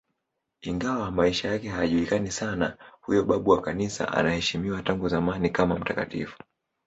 Ingawa maisha yake hayajulikani sana, huyo babu wa Kanisa anaheshimiwa tangu zamani kama mtakatifu.